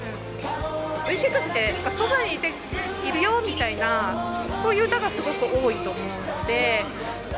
Ｖ６って、そばにいるよみたいな、そういう歌がすごく多いと思うので。